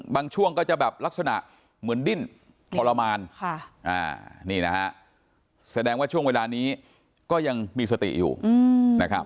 ช่วงก็จะแบบลักษณะเหมือนดิ้นทรมานนี่นะฮะแสดงว่าช่วงเวลานี้ก็ยังมีสติอยู่นะครับ